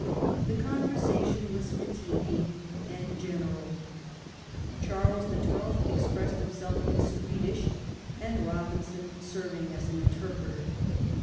The conversation was fatiguing and general, Charles the Twelfth expressing himself in Swedish and Eobinson serving as interpreter.